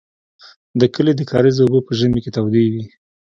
د کلي د کاریز اوبه په ژمي کې تودې وې.